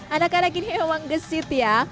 anak anak ini memang gesit ya